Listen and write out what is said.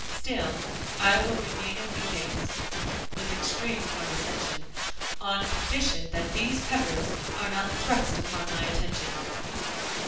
Still I will remain a few days," with extreme condescension, "on condition that these Peppers are not thrust upon my attention."